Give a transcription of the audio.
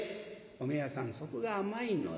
「おめえさんそこが甘いのよ。